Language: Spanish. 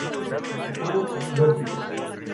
Casado, dos hijos.